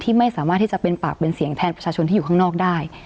ไม่สามารถที่จะเป็นปากเป็นเสียงแทนประชาชนที่อยู่ข้างนอกได้